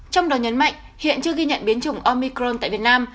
trong đó nhấn mạnh hiện chưa ghi nhận biến chủng omicron tại việt nam